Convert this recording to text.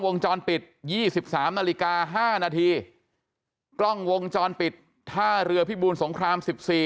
วงจรปิด๒๓นาฬิกา๕นาทีกล้องวงจรปิดท่าเรือพิบูลสงคราม๑๔